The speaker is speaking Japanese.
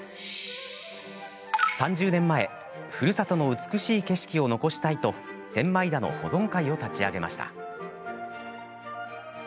３０年前、ふるさとの美しい景色を残したいと千枚田の保存会を立ち上げました。